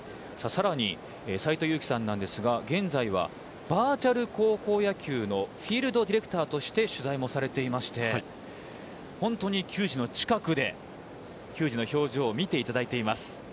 さらに斎藤佑樹さんなんですが、現在はバーチャル高校野球のフィールドディレクターとしても取材をされて本当に球児の近くで球児の表情を見ていただいています。